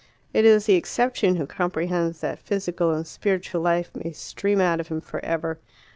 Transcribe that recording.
It is the exception who comprehends that physical and spiritual life may stream out of him for ever.